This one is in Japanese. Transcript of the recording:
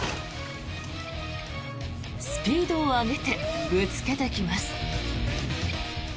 スピードを上げてぶつけてきます。